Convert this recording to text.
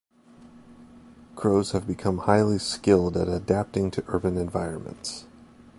Crows have become highly skilled at adapting to urban environments.